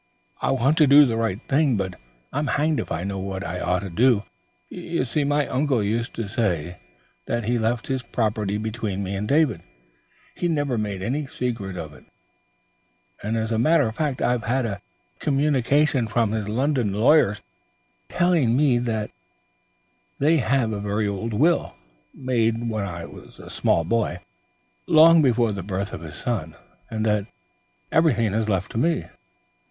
"I want to do the right thing, but I'm hanged if I know what I ought to do. You see, my uncle used to say that he'd left his property between me and David; he never made any secret of it, and as a matter of fact I've had a communication from his London lawyers, telling me they have a very old will, made when I was a small boy, long before the birth of his son, and that everything is left to me.